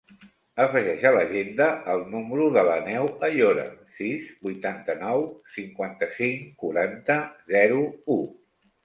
Afegeix a l'agenda el número de l'Aneu Ayora: sis, vuitanta-nou, cinquanta-cinc, quaranta, zero, u.